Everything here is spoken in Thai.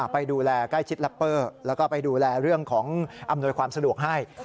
ไปดูแลใกล้ชิดแรปเปอร์แล้วก็ไปดูแลเรื่องของอำนวยความสะดวกให้